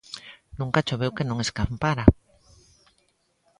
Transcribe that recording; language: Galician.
Nunca choveu que non escampara